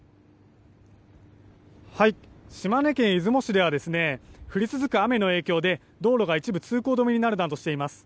島根県出雲市では降り続く雨の影響で道路が一部、通行止めになるなどしています。